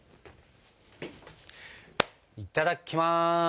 いただきます。